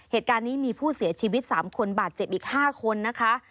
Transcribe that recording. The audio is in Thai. เหตุการณ์นี้มีผู้เสียชีวิต๓คนบาดเจ็บอีก๕คนนะคะ